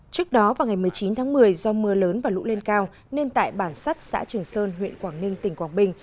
trước đó vào ngày một mươi chín tháng một mươi do mưa lớn và lũ lên cao nên tại bản sắt xã trường sơn huyện quảng ninh tỉnh quảng bình